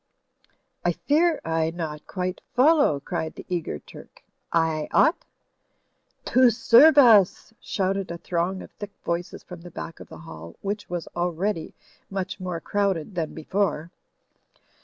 "I fear I not quite follow," cried the eager Turk. "I ought?" "To serve us," shouted a throng of thick voices from the back of the hall, which was already much more crowded than before.